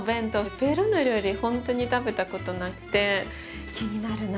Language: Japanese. ペルーの料理ほんとに食べたことなくて気になるな。